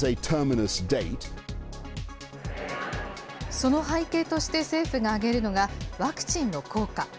その背景として政府が挙げるのが、ワクチンの効果。